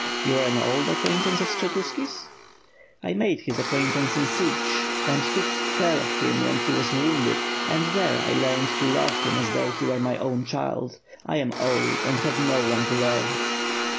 "You axe an old acquaintance of Skshetuski's?" "I made his acquaintance in Sich and took care of him when he was wounded; and there I learned to love him as though he were my own child. I am old and have no one to love."